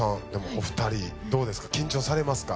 お二人どうですか緊張されますか？